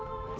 rất là tốt